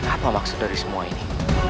apa maksud dari semua ini